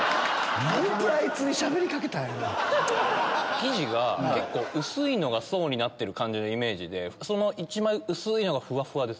生地が結構薄いのが層になってる感じのイメージでその１枚薄いのがふわふわです。